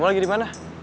kamu lagi dimana